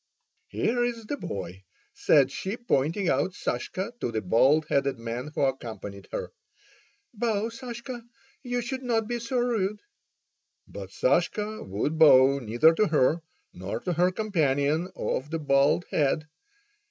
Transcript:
"Here's the boy," said she, pointing out Sashka to the bald headed man who accompanied her. "Bow, Sashka, you should not be so rude!" But Sashka would bow neither to her, nor to her companion of the bald head.